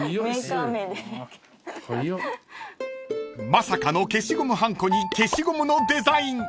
［まさかの消しゴムはんこに消しゴムのデザイン］